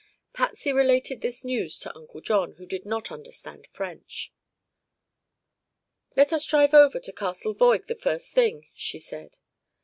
Patsy related this news to Uncle John, who did not understand French. "Let us drive over to Castle Voig the first thing," she said.